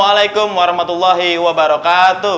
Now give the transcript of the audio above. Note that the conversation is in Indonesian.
waalaikumsalam warahmatullahi wabarakatuh